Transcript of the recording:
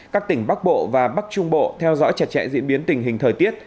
các tỉnh bắc bộ và bắc trung bộ theo dõi chặt chẽ diễn biến tình hình thời tiết